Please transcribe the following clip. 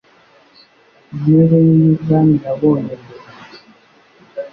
ntebe ye y ubwami yabonye mbere